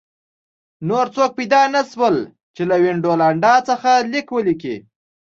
نور څوک پیدا نه شول چې له وینډولانډا څخه لیک ولیکي